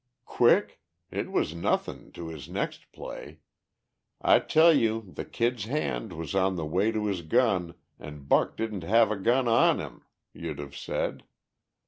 "Quick? It wasn't nothin' to his next play. I tell you the Kid's hand was on the way to his gun an' Buck didn't have a gun on him, you'd have said.